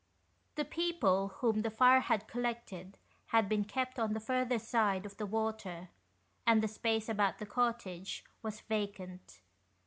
The people whom the fire had collected had been kept on the further side of the water, and the space about the cottage was vacant.